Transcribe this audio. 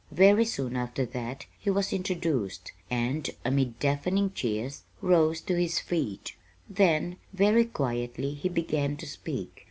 Very soon after that he was introduced, and, amid deafening cheers, rose to his feet. Then, very quietly, he began to speak.